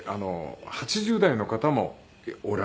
８０代の方もおられます。